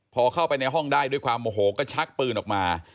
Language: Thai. พอเข้าไปในห้องได้ด้วยความโมโหก็ชักปืนออกมา